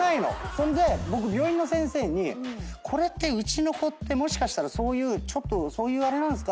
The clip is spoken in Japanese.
そんで僕病院の先生にこれってうちの子ってもしかしたらちょっとそういうあれなんすか？